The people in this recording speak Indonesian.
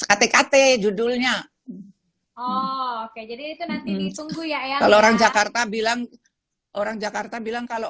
sekatekate judulnya oh nanti tunggu ya kalau orang jakarta bilang orang jakarta bilang kalau